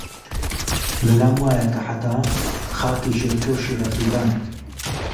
لەلام وایە کە حەتتا خاکی ژێرکەوشی ڕەقیبانت